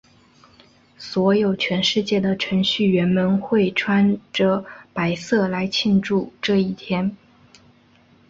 所以全世界的程序员们会穿着白色来庆祝这一天。